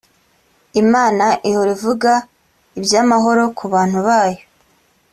Imana ihora ivuga iby’amahoro ku bantu bayo